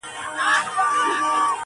چي د وگړو څه يې ټولي گناه كډه كړې.